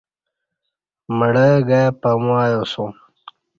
مڑہ گای پمو ایاسوم